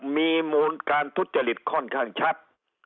มีมูลการทุจริตค่อนข้างชัด